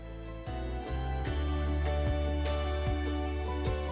meskipun ada beberapa hal yang harus dilakukan untuk menjaga keamanan